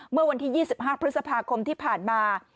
เมื่อวันที่๒๕พฤษภาคมที่ผ่านมา